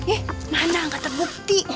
ih mana nggak terbukti